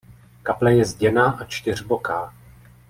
Kaple je zděná a čtyřboká.